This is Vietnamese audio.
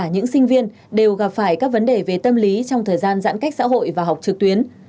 những sinh viên đều gặp phải các vấn đề về tâm lý trong thời gian giãn cách xã hội và học trực tuyến